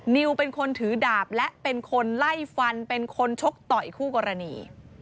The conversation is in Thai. นิวเป็นคนถือดาบและเป็นคนไล่ฟันเป็นคนชกต่อยคู่กรณี